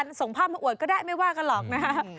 จะมาถึงไหมนะ